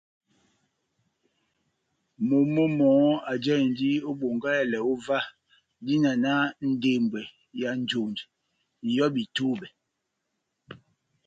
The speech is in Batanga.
Momó mɔhɔ́ ajáhindi ó Bongáhɛlɛ óvah, dína náh ndembwɛ ya njonjɛ, ŋ’hɔ́bi túbɛ́.